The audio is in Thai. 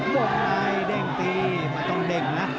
มุมลายเด้งตีมันต้องเด้งนะ